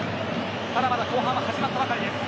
ただ、まだ後半は始まったばかりです。